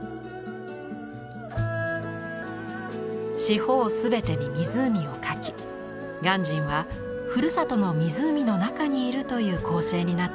四方全てに湖を描き鑑真はふるさとの湖の中にいるという構成になっています。